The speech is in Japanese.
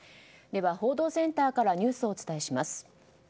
では報道センターからニュースをお伝えします。